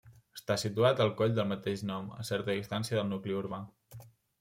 Està situat al coll del mateix nom, a certa distància del nucli urbà.